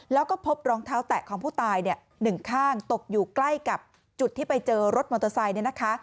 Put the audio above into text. แล้วก็พบรองเท้าแตะของผู้ตายเนี่ยหนึ่งข้างตกอยู่ใกล้กับจุดที่ไปเจอรถมอเตอร์ไซค์เนี่ยนะคะ